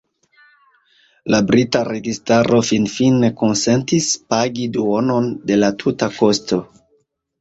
La brita registaro finfine konsentis pagi duonon de la tuta kosto.